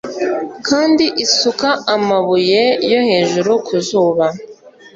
kandi isuka amabuye yo hejuru ku zuba